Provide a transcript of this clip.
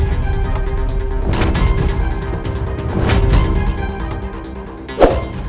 untuk mencari penyembuh